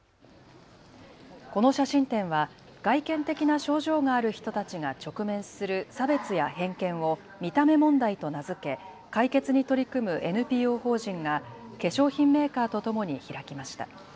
この写真展は外見的な症状がある人たちが直面する差別や偏見を見た目問題と名付け解決に取り組むＮＰＯ法人が化粧品メーカーと共に開きました。